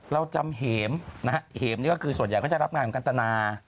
เราจำเหมนะฮะเห็มนี่ก็คือส่วนใหญ่ก็จะรับงานของกันตนา